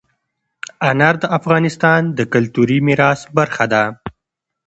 انار د افغانستان د کلتوري میراث برخه ده.